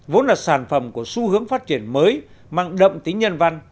vốn là sản phẩm của xu hướng phát triển mới mang đậm tính nhân văn